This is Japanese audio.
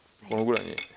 このぐらいに。